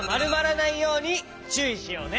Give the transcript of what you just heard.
ないようにちゅういしようね。